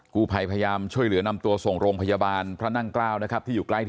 กู้ไพพยามช่วยเหลือนำตัวส่งโรงพยาบาลพระนั่งกล้าวนะครับ